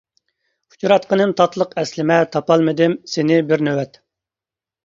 ئۇچراتقىنىم تاتلىق ئەسلىمە، تاپالمىدىم سېنى بىر نۆۋەت.